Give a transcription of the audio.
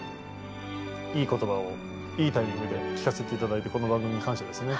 いい言葉をいいタイミングで聞かせて頂いてこの番組に感謝ですね。